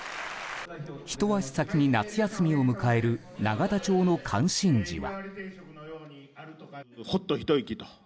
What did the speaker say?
ひと足先に夏休みを迎える永田町の関心事は。